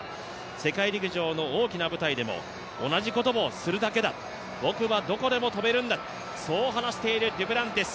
世界陸上の大きな舞台でも、同じことをするだけだ、僕はどこでも跳べるんだ、そう話しているデュプランティス。